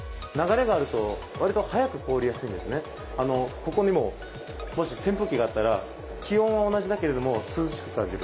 ここにももし扇風機があったら気温は同じだけれども涼しく感じる。